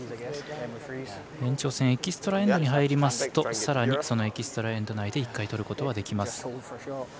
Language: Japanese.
延長戦エキストラエンドに入りますとさらにそのエキストラ・エンド内で１回とることができます。